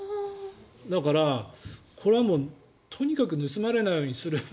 だから、これはもうとにかく盗まれないようにする。